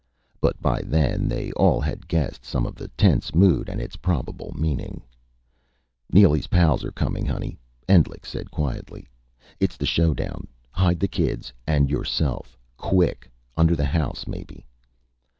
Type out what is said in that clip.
But by then they all had guessed some of the tense mood, and its probable meaning. "Neely's pals are coming, Honey," Endlich said quietly. "It's the showdown. Hide the kids. And yourself. Quick. Under the house, maybe."